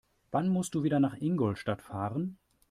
Wann musst du wieder nach Ingolstadt fahren?